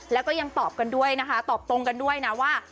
แล้วก็ยังตอบกันด้วยนะคะตอบตรงกันด้วยนะว่า